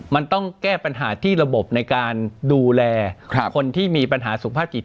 มันต้องแก้ปัญหาที่ระบบในการดูแลคนที่มีปัญหาสุขภาพจิต